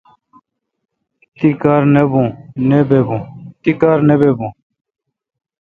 تی کار نہ بہ بو۔